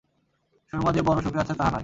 সুরমা যে বড়ো সুখে আছে তাহা নয়।